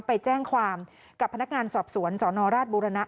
ไปแจ้งความกับพนักงานสอบสวนสนราชบุรณะ